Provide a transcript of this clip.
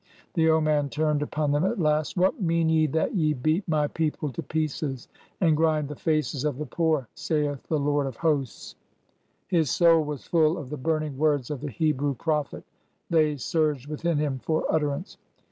The old man turned upon them at last. ''' What mean ye that ye beat my people to pieces and grind the faces of the poor ? saith the Lord of hosts.' " His soul was full of the burning words of the Hebrew prophet. They surged within him for utterance.